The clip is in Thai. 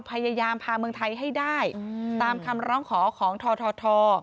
พยายามพาเมืองไทยให้ได้ตามคำร้องขอของทท